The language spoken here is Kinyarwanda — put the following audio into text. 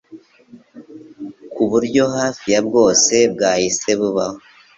k’uburyo hafi ya bwose kwahise kubaho